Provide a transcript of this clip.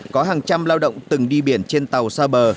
có hàng trăm lao động từng đi biển trên tàu xa bờ